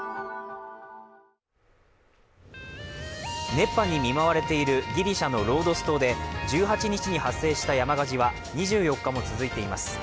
熱波に見舞われているギリシャのロードス島で、１８日に発生した山火事は２４日も続いています。